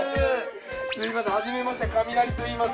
すいませんはじめましてカミナリといいます。